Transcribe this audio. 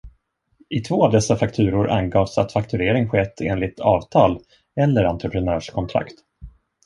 I två av dessa fakturor angavs att fakturering skett enligt avtal eller entreprenörskontrakt.